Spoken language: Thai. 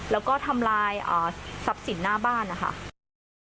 แล้วก็ทำลายทรัพย์สินหน้าบ้านนะคะ